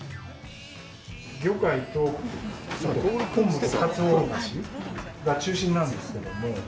魚介と昆布とカツオ出汁が中心なんですけども。